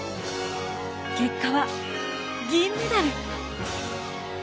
結果は銀メダル。